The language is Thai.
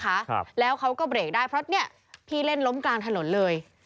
ครับแล้วเขาก็เบรกได้เพราะเนี้ยพี่เล่นล้มกลางถนนเลย